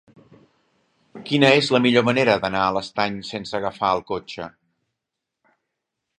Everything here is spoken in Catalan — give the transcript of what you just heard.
Quina és la millor manera d'anar a l'Estany sense agafar el cotxe?